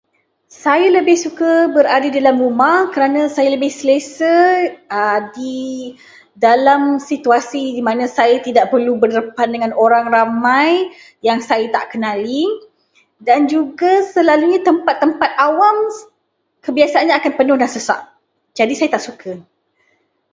Saya lebih suka berada di dalam rumah kerana saya lebih selesa di dalam situasi yang mana saya tidak perlu berdepan dengan orang ramai yang saya tak kenali, dan juga selalunya tempat-tempat awam kebiasaannya akan penuh dan sesak. Jadi, saya tak suka.